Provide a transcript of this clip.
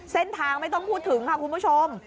เส้นทางไม่ต้องพูดถึงค่ะคุณผู้ชม